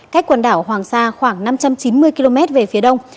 cách quần đảo hoàng sa khoảng năm trăm chín mươi km về phía đông